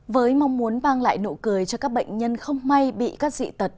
với mong muốn mang lại nụ cười cho các bệnh nhân không may bị các dị tật